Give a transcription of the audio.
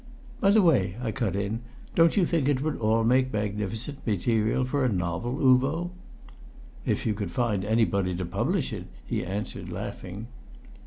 "By the way," I cut in, "don't you think it would all make magnificent material for a novel, Uvo?" "If you could find anybody to publish it!" he answered, laughing.